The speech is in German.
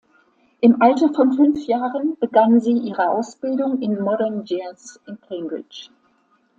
Im Alter von fünf Jahren begann sie ihre Ausbildung in Modern Jazz in Cambridge.